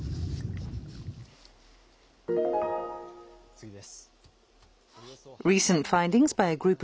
次です。